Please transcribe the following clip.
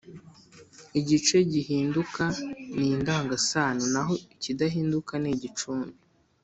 Igice gihinduka ni indangasano naho ikidahinduka ni igicumbi